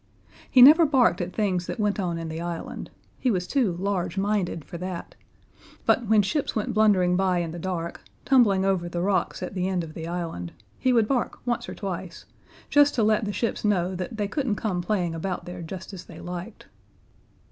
He never barked at things that went on in the island he was too large minded for that; but when ships went blundering by in the dark, tumbling over the rocks at the end of the island, he would bark once or twice, just to let the ships know that they couldn't come playing about there just as they liked.